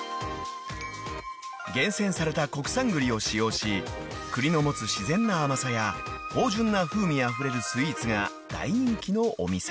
［厳選された国産栗を使用し栗の持つ自然な甘さや芳醇な風味あふれるスイーツが大人気のお店］